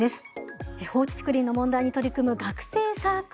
放置竹林の問題に取り組む学生サークル